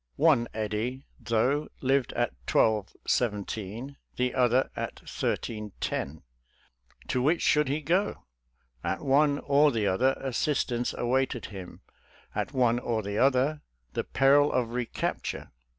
One Eddy, though, lived at 1217, the other at 1310 — to which should hte go? At one or : the other, assistance awaited him— at one or the other, the peril of recapture.